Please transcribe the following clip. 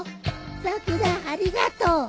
さくらありがとう。